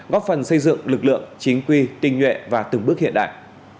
góp phần xây dựng lực lượng chính quy tinh nhuệ và từng bước hiện đại